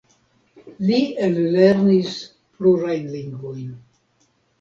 Li ellernis plurajn lingvojn.